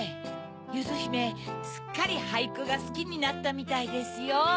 ゆずひめすっかりはいくがすきになったみたいですよ。